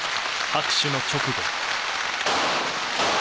拍手の直後。